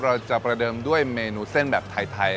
อย่างเช่นประเทศไทยที่ตั้งอยู่ในเขตร้อนและอบอุ่นเป็นส่วนใหญ่